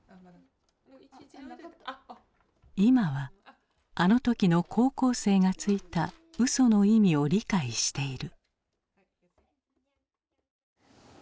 今はあの時の高校生がついた嘘の意味を理解している。